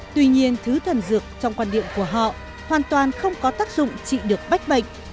tuy nhiên thứ thần dược trong quan điểm của họ hoàn toàn không có tác dụng trị được bách bệnh